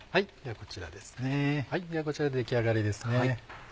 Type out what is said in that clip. こちら出来上がりですね。